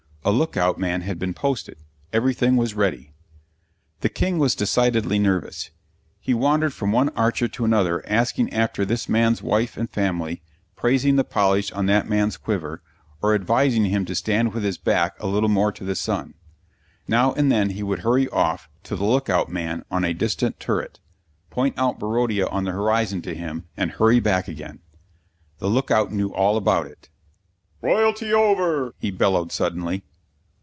A look out man had been posted. Everything was ready. The King was decidedly nervous. He wandered from one archer to another asking after this man's wife and family, praising the polish on that man's quiver, or advising him to stand with his back a little more to the sun. Now and then he would hurry off to the look out man on a distant turret, point out Barodia on the horizon to him, and hurry back again. The look out knew all about it. "Royalty over," he bellowed suddenly.